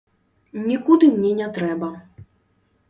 Нікуды мне не трэба.